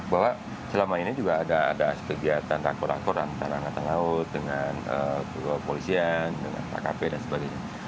bahwa selama ini juga ada kegiatan rakor rakor antara angkatan laut dengan polisian dengan kkp dan sebagainya